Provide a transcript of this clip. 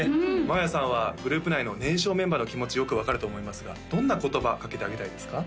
まあやさんはグループ内の年少メンバーの気持ちよく分かると思いますがどんな言葉かけてあげたいですか？